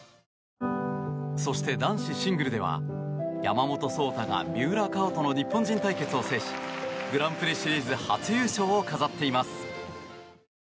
そして、男子シングルでは山本草太が三浦佳生との日本人対決を制しグランプリシリーズ初優勝を飾っています。